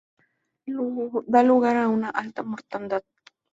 Da lugar a una alta mortandad.